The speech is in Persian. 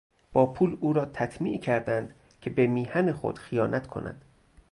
با پول او را تطمیع کردند که به میهن خود خیانت کند.